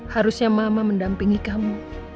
harusnya mama mendampingi kamu